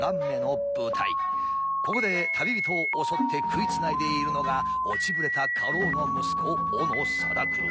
ここで旅人を襲って食いつないでいるのが落ちぶれた家老の息子斧定九郎。